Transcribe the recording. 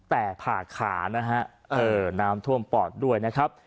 แต่ผ่าขานะฮะเออน้ำท่วมปอดด้วยนะครับ